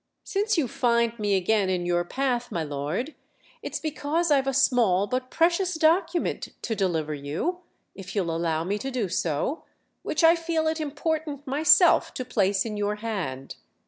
"Since you find me again in your path, my lord, it's because I've a small, but precious document to deliver you, if you'll allow me to do so; which I feel it important myself to place in your hand."